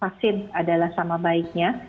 vaksin adalah sama baiknya